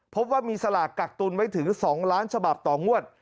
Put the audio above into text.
พบว่ามีสลากกักตุนไว้ถึง๒ล้านฉบับต่องวด